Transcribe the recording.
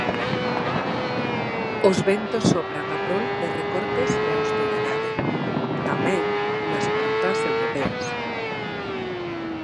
Os ventos sopran a prol de recortes e austeridade tamén nas contas europeas.